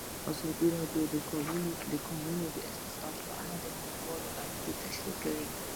ازادي راډیو د د کانونو استخراج په اړه نړیوالې اړیکې تشریح کړي.